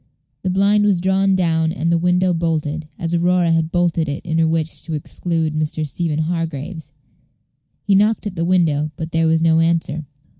The blind was drawn down and the window bolted, as Aurora had bolted it in her wish to exclude Mr. Stephen Hargraves. He knocked at the window, but there was no answer.